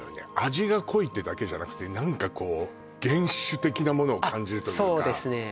味が濃いってだけじゃなくて何かこう原種的なものを感じるというかあっそうですね